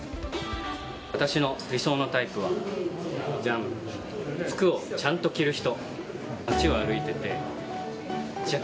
私の理想のタイプは服をちゃんと着る人。